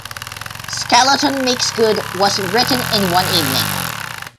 "Skeleton Makes Good" was written in one evening.